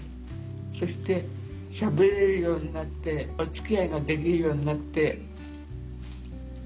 そしてしゃべれるようになっておつきあいができるようになって。